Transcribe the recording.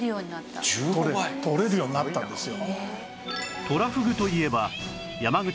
取れるようになったんですよ。